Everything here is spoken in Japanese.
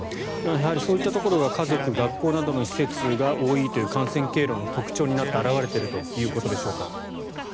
そういったところが家族、学校などの施設が多いという感染経路の特徴になって表れているということでしょうか。